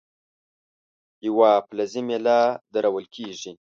یوه فلزي میله درول کیږي.